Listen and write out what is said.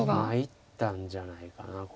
参ったんじゃないかな